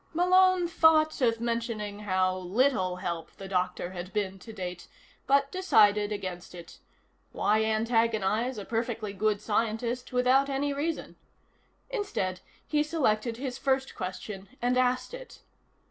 Malone thought of mentioning how little help the Doctor had been to date, but decided against it. Why antagonize a perfectly good scientist without any reason? Instead, he selected his first question, and asked it.